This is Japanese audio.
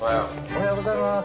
おはようございます。